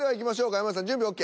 山内さん準備ＯＫ？